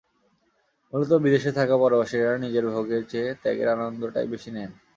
মূলত বিদেশে থাকা পরবাসীরা নিজের ভোগের চেয়ে ত্যাগের আনন্দটাই বেশি নেন।